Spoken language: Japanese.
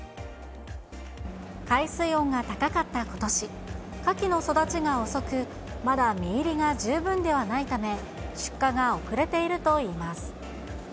海水温が高かったことし、カキの育ちが遅く、まだ身入りが十分ではないため、出荷が遅れているといいます。